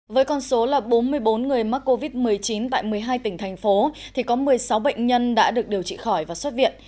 với con số là bốn mươi bốn người mắc covid một mươi chín tại một mươi hai tỉnh thành phố thì có một mươi sáu bệnh nhân đã được điều trị khỏi và xuất viện